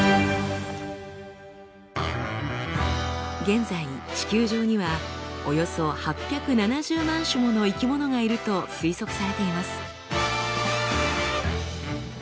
現在地球上にはおよそ８７０万種もの生き物がいると推測されています。